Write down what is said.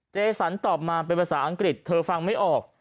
เจสันตอบมาเป็นภาษาอังกฤษเธอฟังไม่ออก